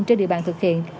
trên địa bàn thực hiện